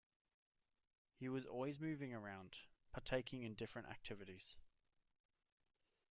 He was always moving around, partaking in different activities.